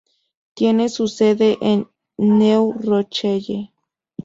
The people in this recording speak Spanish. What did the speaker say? Tiene su sede en New Rochelle.